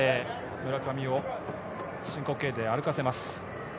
村上を申告敬遠で歩かせます。